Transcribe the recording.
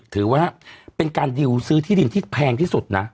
ถือว่าเป็นการดิวซื้อที่ดินที่แพงที่สุดนะ